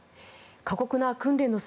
過酷な訓練の末